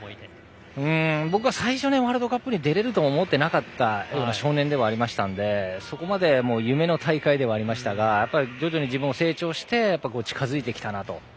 僕は最初にワールドカップに出られると思っていなかった少年でしたので夢の大会ではありましたが徐々に自分が成長して近づいてきたなと。